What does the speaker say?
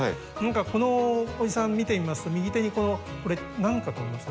このおじさん見てみますと右手にこれ何かと思います？